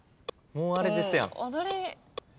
もうあれですやん。